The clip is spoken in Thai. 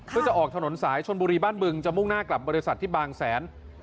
เพื่อจะออกถนนสายชนบุรีบ้านบึงจะมุ่งหน้ากลับบริษัทที่บางแสน